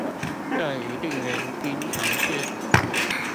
這一定原音重現